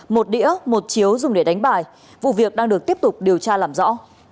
một đĩa một chiếu dùng để đánh bài vụ việc đang được tiếp tục điều tra làm rõ